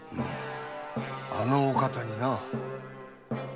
あのお方にな。